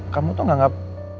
kamu tuh nganggep